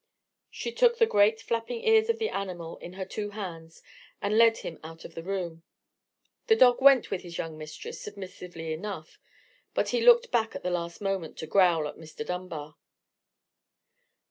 She took the great flapping ears of the animal in her two hands, and led him out of the room. The dog went with his young mistress submissively enough: but he looked back at the last moment to growl at Mr. Dunbar.